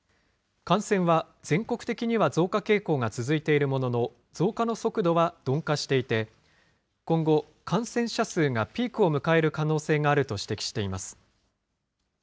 感染は全国的には増加傾向が続いているものの、増加の速度は鈍化していて、今後、感染者数がピークを迎える可能性があると指摘しています。